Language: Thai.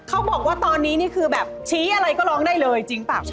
เขาบอกว่าตอนนี้ชี้อะไรก็ร้องได้เลยจริงป่าว